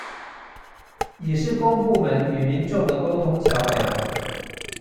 也是公部門與民眾的溝通橋樑